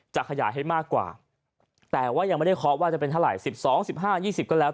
จะขยายให้มากกว่าแต่ว่ายังไม่ได้เคาะว่าจะเป็นเท่าไหร่๑๒๑๕๒๐ก็แล้ว